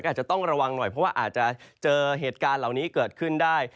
อาจจะต้องระวังหน่อยเพราะว่าอาจจะเจอเหตุการณ์เหล่านี้เกิดขึ้นได้